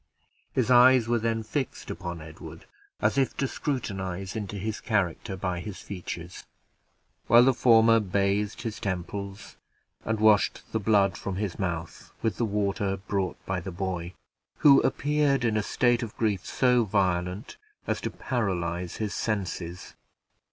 His eyes were then fixed upon Edward as if to scrutinize into his character by his features, while the former bathed his temples and washed the blood from his mouth with the water brought by the boy, who appeared in a state of grief so violent as to paralyze his senses.